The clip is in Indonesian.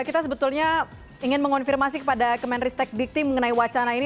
kita sebetulnya ingin mengonfirmasi kepada kemenristek dikti mengenai wacana ini